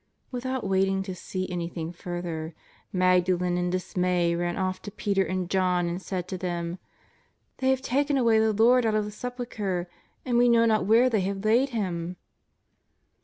Without waiting to see anything further, Magdalen in dismay ran off to Peter and John and said to them: " They have taken away the Lord out of the Sepul chre, and we know not where they have laid Him."